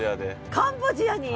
カンボジアに。